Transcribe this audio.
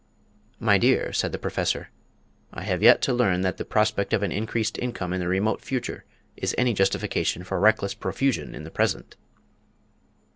"My dear," said the Professor, "I have yet to learn that the prospect of an increased income in the remote future is any justification for reckless profusion in the present."